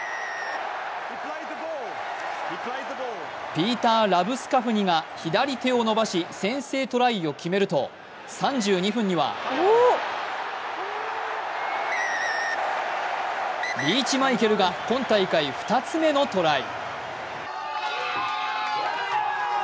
ピーター・ラブスカフニが左手を伸ばし先制トライを決めると３２分にはリーチマイケルが今大会２つ目のトライ。